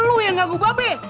luni yang ganggu baje